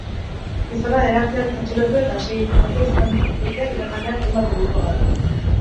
Gizona bederatzi aldiz atxilotu eta sei inputatu izan dute iraganean, hainbat delitugatik.